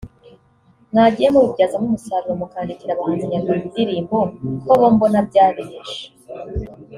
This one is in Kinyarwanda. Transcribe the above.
mwagiye mubibyazamo umusaruro mukandikira abahanzi nyarwanda indirimbo ko bo mbona byabihishe